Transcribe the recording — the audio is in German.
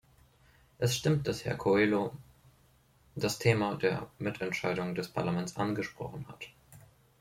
Es stimmt, dass Herr Coelho das Thema der Mitentscheidung des Parlaments angesprochen hat.